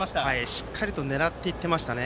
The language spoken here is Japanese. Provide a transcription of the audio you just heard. しっかりと狙っていってましたね。